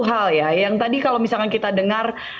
hal ya yang tadi kalau misalkan kita dengar